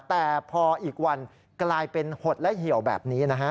แต่พออีกวันกลายเป็นหดและเหี่ยวแบบนี้นะฮะ